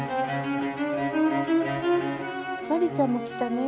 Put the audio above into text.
マリーちゃんも来たね。